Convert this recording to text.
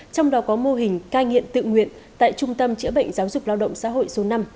trong đó có mô hình cai nghiện tự nguyện tại trung tâm chữa bệnh giáo dục lao động xã hội số năm